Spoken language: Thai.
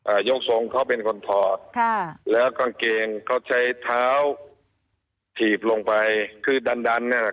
ยกทรงเขาเป็นคนถอดค่ะแล้วกางเกงเขาใช้เท้าถีบลงไปคือดันดันนั่นแหละ